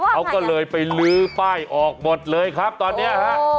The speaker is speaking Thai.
เขาก็เลยไปลื้อป้ายออกหมดเลยครับตอนนี้ฮะ